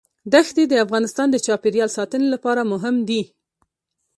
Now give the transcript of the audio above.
دښتې د افغانستان د چاپیریال ساتنې لپاره مهم دي.